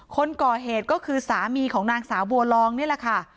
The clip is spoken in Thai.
คนก่อเหตุก็คือสามีของนางสาวบัวลองนี่แหละค่ะ